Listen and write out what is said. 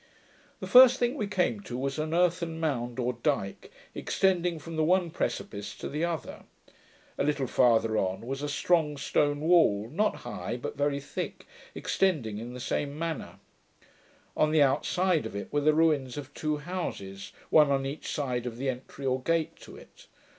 The first thing we came to was an earthen mound, or dyke, extending from the one precipice to the other. A little farther on, was a strong stone wall, not high, but very thick, extending in the same manner. On the outside of it were the ruins of two houses, one on each side of the entry or gate to it.